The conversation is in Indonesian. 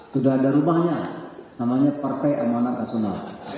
sudah ada rumahnya namanya partai amanat nasional